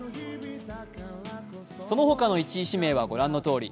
そのほかの１位指名はご覧のとおり。